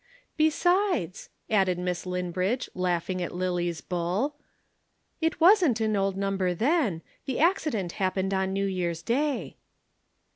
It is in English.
"Besides," added Miss Linbridge laughing at Lillie's bull, "it wasn't an old number then. The accident happened on New Year's Day."